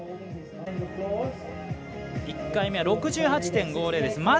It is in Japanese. １回目は６８．５０です。